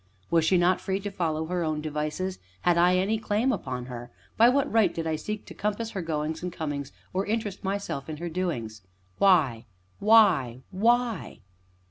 Was she not free to follow her own devices; had I any claim upon her; by what right did I seek to compass her goings and comings, or interest myself in her doings? Why? Why? Why?